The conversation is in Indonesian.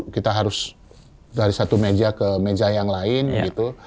kita harus dari satu meja ke meja yang lain begitu